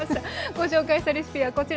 ご紹介したレシピはこちら。